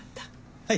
はい。